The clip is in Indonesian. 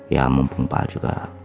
ya mumpung pak juga